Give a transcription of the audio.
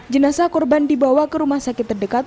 jenazah korban dibawa ke rumah sakit terdekat